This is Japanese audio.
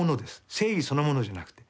正義そのものじゃなくて。